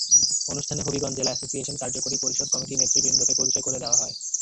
অনুষ্ঠানে হবিগঞ্জ জেলা অ্যাসোসিয়েশন কার্যকরী পরিষদ কমিটির নেতৃবৃন্দকে পরিচয় করে দেওয়া হয়।